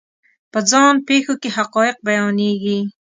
په ځان پېښو کې حقایق بیانېږي.